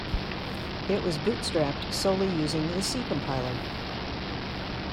It was bootstrapped solely using the C compiler.